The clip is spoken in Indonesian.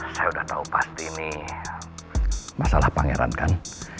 saya sudah tahu pasti ini masalah pangeran kan